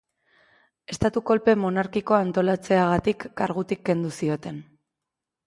Estatu-kolpe monarkiko antolatzeagatik kargutik kendu zioten.